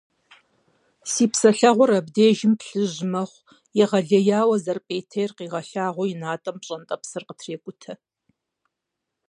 Си псэлъэгъур абдежым плъыжь мэхъу, егъэлеяуэ зэрыпӀейтейр къигъэлъагъуэу и натӀэм пщӀэнтӀэпсыр къытрекӀутэ.